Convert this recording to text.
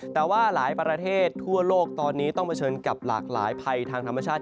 แต่ว่าหลายประเทศทั่วโลกตอนนี้ต้องเผชิญกับหลากหลายภัยทางธรรมชาติ